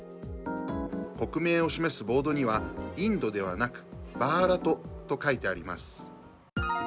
国名を示すボードにはインドではなくバーラトと書いてあります。